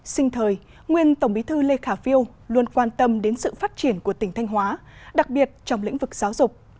sinh thời nguyên tổng bí thư lê khả phiêu luôn quan tâm đến sự phát triển của tỉnh thanh hóa đặc biệt trong lĩnh vực giáo dục